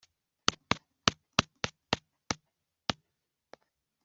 Mwene Asiri ni Tahati mwene Tahati ni Uriyeli